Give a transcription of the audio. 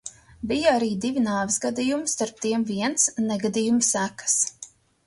Bija arī divi nāves gadījumi, starp tiem viens – negadījuma sekas.